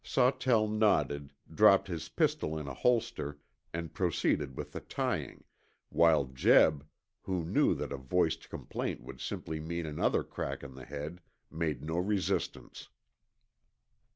Sawtell nodded, dropped his pistol in a holster, and proceeded with the tying, while Jeb, who knew that a voiced complaint would simply mean another crack on the head, made no resistance.